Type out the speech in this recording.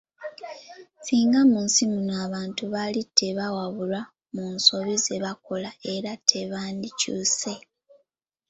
Singa mu nsi muno abantu baali tebawabulwa mu nsobi zebakola era tebandikyuse.